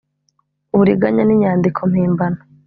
uburiganya n inyandiko mpimbano